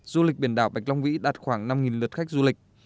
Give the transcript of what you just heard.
du lịch biển đảo bạch long vĩ đạt khoảng năm lượt khách du lịch